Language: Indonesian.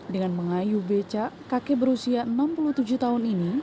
dengan mengayu becak kakek berusia enam puluh tujuh tahun ini